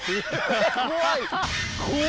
怖い！